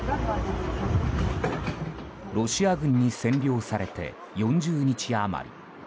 ロシア軍に占領されて４０日余り。